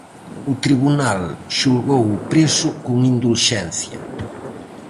O tribunal xulgou o preso con indulxencia.